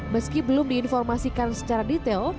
meski belum diinformasikan secara detail